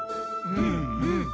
うんうん。